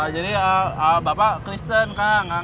jadi bapak christian kan